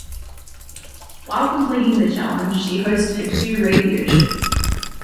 While completing the challenge she hosted two radio shows.